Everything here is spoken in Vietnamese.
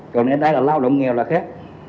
còn đây là lao động nghèo là khác